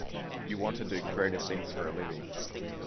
You want to do creative things for a living.